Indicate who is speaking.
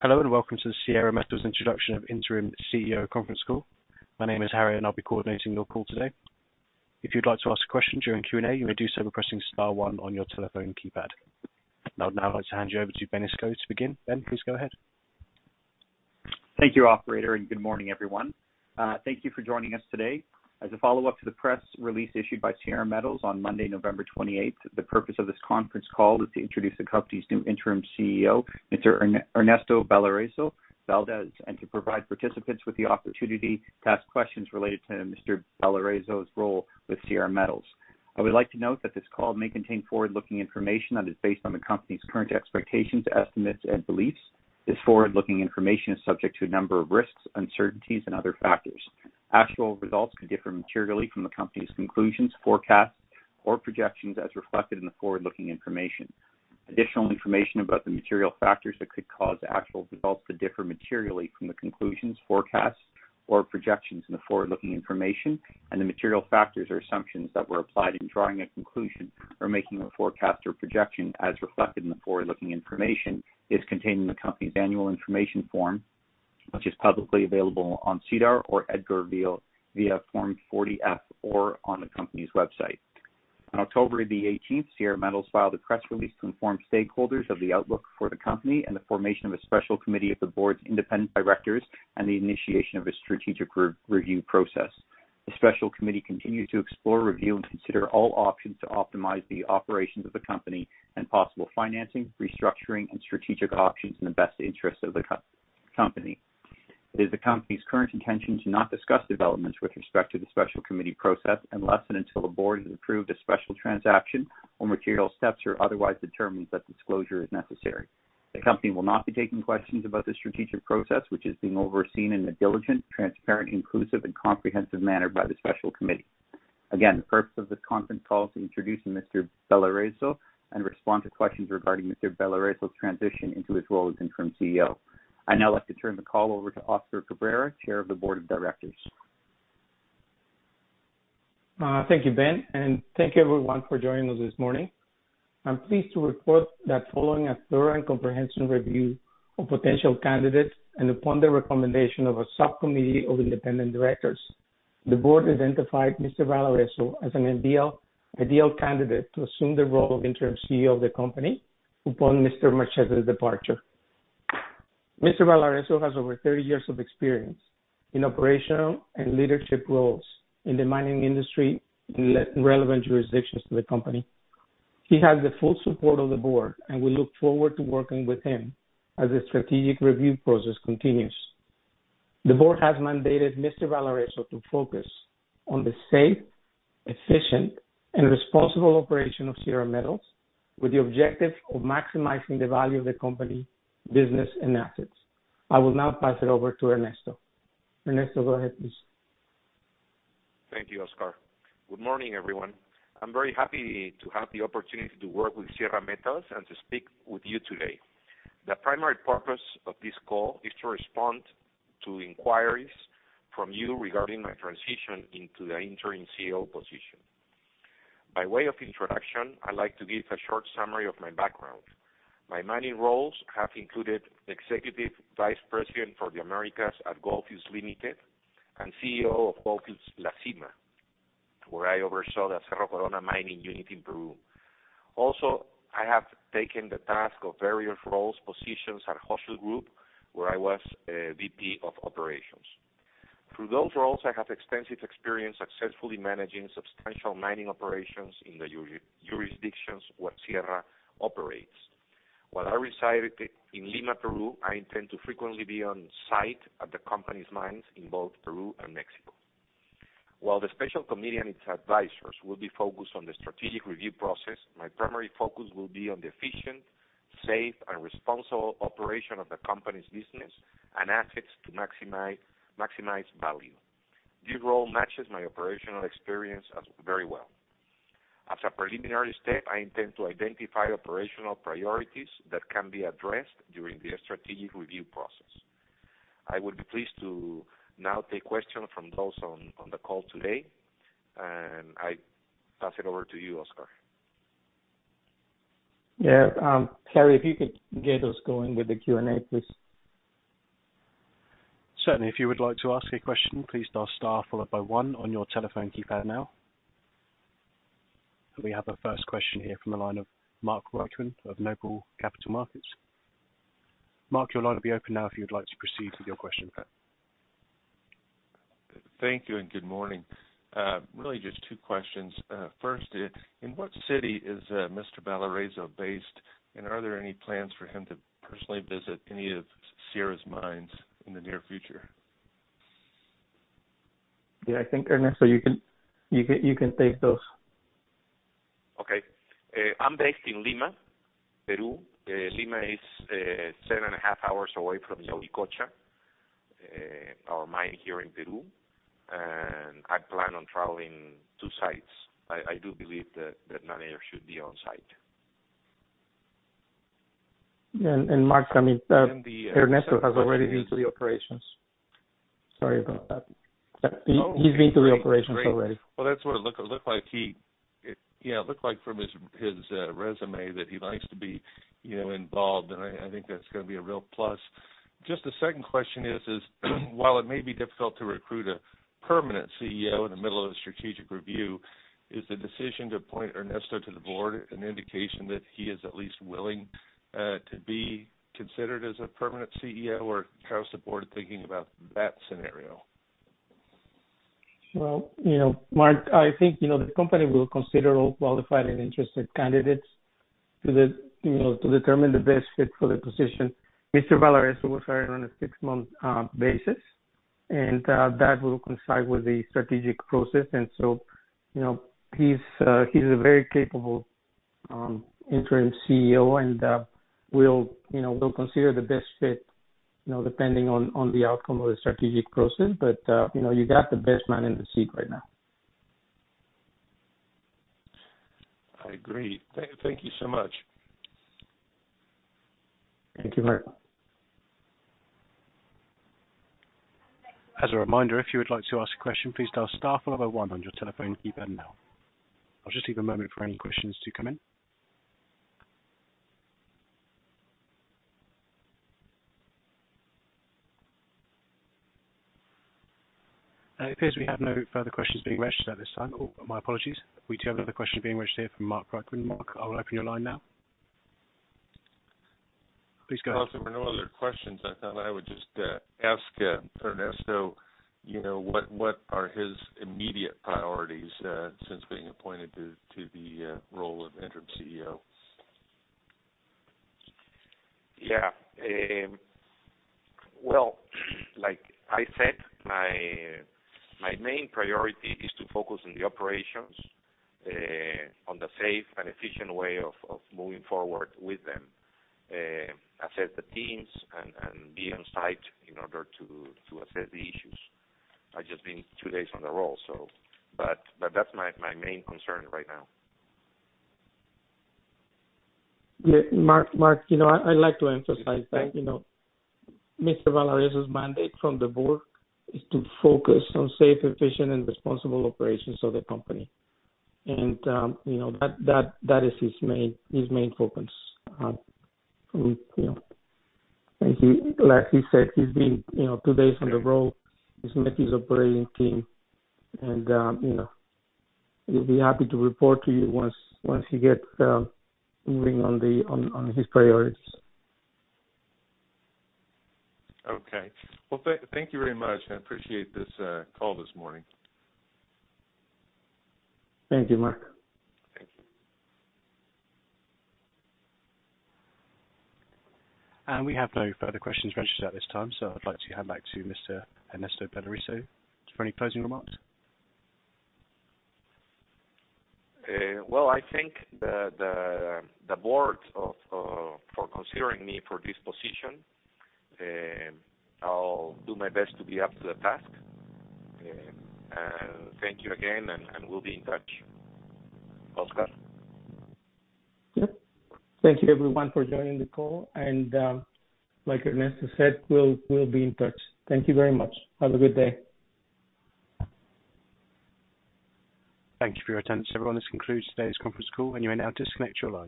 Speaker 1: Hello, welcome to the Sierra Metals Introduction of Interim CEO Conference Call. My name is Harry, and I'll be coordinating your call today. If you'd like to ask a question during Q&A, you may do so by pressing star one on your telephone keypad. I'll now like to hand you over to Ben Escobar to begin. Ben, please go ahead.
Speaker 2: Thank you, operator, and good morning, everyone. Thank you for joining us today. As a follow-up to the press release issued by Sierra Metals on Monday, November 28th, the purpose of this conference call is to introduce the company's new interim CEO, Mr. Ernesto Balarezo Valdez, and to provide participants with the opportunity to ask questions related to Mr. Balarezo's role with Sierra Metals. I would like to note that this call may contain forward-looking information that is based on the company's current expectations, estimates and beliefs. This forward-looking information is subject to a number of risks, uncertainties and other factors. Actual results could differ materially from the company's conclusions, forecasts or projections as reflected in the forward-looking information. Additional information about the material factors that could cause actual results to differ materially from the conclusions, forecasts or projections in the forward-looking information and the material factors or assumptions that were applied in drawing a conclusion or making a forecast or projection as reflected in the forward-looking information is contained in the company's annual information form, which is publicly available on SEDAR+ or EDGAR via Form 40-F or on the company's website. On October 18th, Sierra Metals filed a press release to inform stakeholders of the outlook for the company and the formation of a special committee of the board's independent directors and the initiation of a strategic re-review process. The special committee continued to explore, review, and consider all options to optimize the operations of the company and possible financing, restructuring and strategic options in the best interest of the co-company. It is the company's current intention to not discuss developments with respect to the special committee process unless and until the board has approved a special transaction or material steps are otherwise determined that disclosure is necessary. The company will not be taking questions about the strategic process, which is being overseen in a diligent, transparent, inclusive and comprehensive manner by the special committee. Again, the purpose of this conference call is to introduce Mr. Balarezo and respond to questions regarding Mr. Balarezo's transition into his role as interim CEO. I'd now like to turn the call over to Oscar Cabrera, Chair of the Board of Directors.
Speaker 3: Thank you, Ben, and thank you everyone for joining us this morning. I'm pleased to report that following a thorough and comprehensive review of potential candidates and upon the recommendation of a subcommittee of independent directors, the board identified Mr. Balarezo as an ideal candidate to assume the role of interim CEO of the company upon Mr. Marchese's departure. Mr. Balarezo has over 30 years of experience in operational and leadership roles in the mining industry in relevant jurisdictions to the company. He has the full support of the board, and we look forward to working with him as the strategic review process continues. The board has mandated Mr. Balarezo to focus on the safe, efficient and responsible operation of Sierra Metals with the objective of maximizing the value of the company business and assets. I will now pass it over to Ernesto. Ernesto, go ahead please.
Speaker 4: Thank you, Oscar. Good morning, everyone. I'm very happy to have the opportunity to work with Sierra Metals and to speak with you today. The primary purpose of this call is to respond to inquiries from you regarding my transition into the interim CEO position. By way of introduction, I'd like to give a short summary of my background. My mining roles have included Executive Vice President for the Americas at Gold Fields Limited and CEO of Gold Fields La Cima, where I oversaw the Cerro Corona mining unit in Peru. Also, I have taken the task of various roles, positions at Hochschild Group, where I was VP of operations. Through those roles, I have extensive experience successfully managing substantial mining operations in the jurisdictions where Sierra operates. While I resided in Lima, Peru, I intend to frequently be on site at the company's mines in both Peru and Mexico. While the special committee and its advisors will be focused on the strategic review process, my primary focus will be on the efficient, safe, and responsible operation of the company's business and assets to maximize value. This role matches my operational experience as very well. As a preliminary step, I intend to identify operational priorities that can be addressed during the strategic review process. I would be pleased to now take questions from those on the call today. I pass it over to you, Oscar.
Speaker 3: Yeah. Harry, if you could get us going with the Q&A, please.
Speaker 1: Certainly. If you would like to ask a question, please dial star followed by one on your telephone keypad now. We have our first question here from the line of Mark Reichman of Noble Capital Markets. Mark, your line will be open now if you would like to proceed with your question.
Speaker 5: Thank you and good morning. Really just two questions. First, in what city is Mr. Balarezo based? Are there any plans for him to personally visit any of Sierra's mines in the near future?
Speaker 3: Yeah, I think, Ernesto, you can take those.
Speaker 4: Okay. I'm based in Lima, Peru. Lima is 7 and a half hours away from Yanacocha, our mine here in Peru. I plan on traveling to sites. I do believe that managers should be on site.
Speaker 3: Mark, I mean, Ernesto has already been to the operations. Sorry about that. He's been to the operations already.
Speaker 5: That's what it looked like he Yeah, it looked like from his resume that he likes to be, you know, involved, and I think that's gonna be a real plus. Just the second question is while it may be difficult to recruit a permanent CEO in the middle of a strategic review, is the decision to appoint Ernesto to the board an indication that he is at least willing to be considered as a permanent CEO or how's the board thinking about that scenario?
Speaker 3: Well, you know, Mark, I think, you know, the company will consider all qualified and interested candidates to the, you know, to determine the best fit for the position. Mr. Valarezo was hired on a six-month basis, and that will coincide with the strategic process. You know, he's a very capable Interim CEO, and we'll, you know, we'll consider the best fit, you know, depending on the outcome of the strategic process. You know, you got the best man in the seat right now.
Speaker 5: I agree. Thank you so much.
Speaker 3: Thank you, Mark.
Speaker 1: As a reminder, if you would like to ask a question, please dial star followed by one on your telephone keypad now. I'll just leave a moment for any questions to come in. It appears we have no further questions being registered at this time. Oh, my apologies. We do have another question being registered from Mark Brooklyn. Mark, I'll open your line now. Please go ahead.
Speaker 5: If there were no other questions, I thought I would just ask Ernesto, you know, what are his immediate priorities since being appointed to the role of Interim CEO?
Speaker 4: Well, like I said, my main priority is to focus on the operations, on the safe and efficient way of moving forward with them. Assess the teams and be on-site in order to assess the issues. I've just been two days on the role. That's my main concern right now.
Speaker 3: Yeah. Mark, you know, I'd like to emphasize that, you know, Mr. Valarezo's mandate from the board is to focus on safe, efficient, and responsible operations of the company. You know, that is his main focus, with, you know. Like he said, he's been, you know, two days on the role. He's met his operating team, and, you know, he'll be happy to report to you once he gets moving on his priorities.
Speaker 5: Okay. Well, thank you very much. I appreciate this call this morning.
Speaker 3: Thank you, Mark.
Speaker 5: Thank you.
Speaker 1: We have no further questions registered at this time, so I'd like to hand back to Mr. Ernesto Balarezo for any closing remarks.
Speaker 4: Well, I thank the board of for considering me for this position. I'll do my best to be up to the task. Thank you again, and we'll be in touch. Oscar?
Speaker 3: Yeah. Thank you everyone for joining the call. like Ernesto said, we'll be in touch. Thank you very much. Have a good day.
Speaker 1: Thank you for your attendance, everyone. This concludes today's conference call. You may now disconnect your lines.